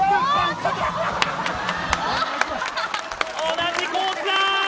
同じコースだ。